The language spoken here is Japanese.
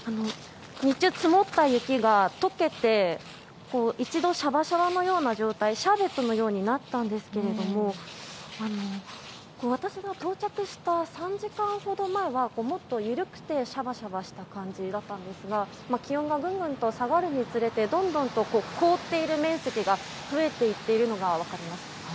日中、積もった雪がとけて一度、しゃばしゃばのような状態シャーベットのようになったんですけども私が到着した３時間ほど前はもっと緩くてしゃばしゃばした感じだったんですが気温がぐんぐんと下がるにつれてどんどんと凍っている面積が増えていっているのが分かります。